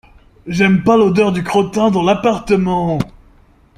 J’aime pas l’odeur du crottin dans l’appartement.